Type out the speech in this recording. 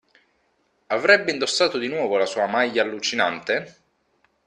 Avrebbe indossato di nuovo la sua maglia allucinante?